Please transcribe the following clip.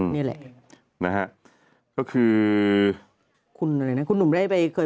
นี่แหละนะฮะก็คือคุณหนุ่มเคยไปคุยกับคุณแรกแล้วนี่